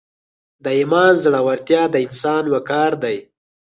د ایمان زړورتیا د انسان وقار دی.